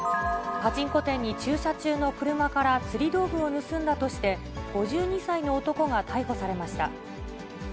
パチンコ店に駐車中の車から釣り道具を盗んだとして、５２歳の男が逮捕されました。